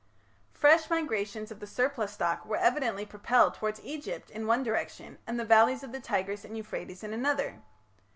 Fresh migrations of the surplus stock were evidently propelled towards Egypt in one direction, and the valleys of the Tigris and Euphrates in another.